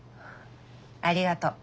ありがとう。